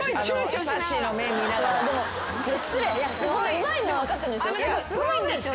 うまいのは分かってるんですよ。